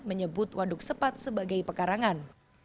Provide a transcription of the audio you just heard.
menyebut waduk sepat sebagai pekarangan